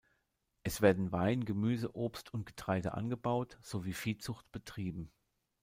Es werden Wein, Gemüse, Obst und Getreide angebaut sowie Viehzucht betrieben.